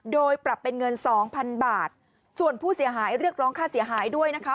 โดยปรับเป็นเงินสองพันบาทส่วนผู้เสียหายเรียกร้องค่าเสียหายด้วยนะคะ